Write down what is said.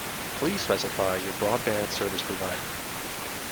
Please specify your broadband service provider.